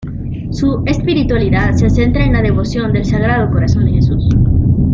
Su espiritualidad se centra en la devoción del Sagrado Corazón de Jesús.